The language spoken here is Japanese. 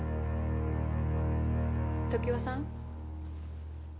常盤さん？